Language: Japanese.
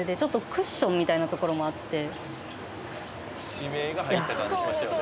「指名が入った感じしましたよね」